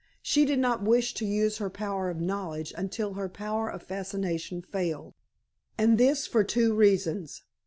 She did not wish to use her power of knowledge until her power of fascination failed. And this for two reasons.